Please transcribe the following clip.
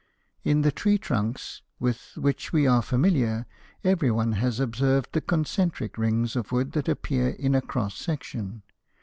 In the tree trunks with which we are familiar, everyone has observed the concentric rings of wood that appear in a cross section.